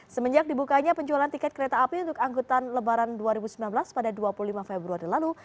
semenjak dibukanya penjualan tiket kereta api untuk angkutan lebaran dua ribu sembilan belas pada dua puluh lima februari lalu